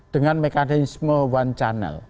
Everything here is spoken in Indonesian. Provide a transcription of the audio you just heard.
dengan mekanisme one channel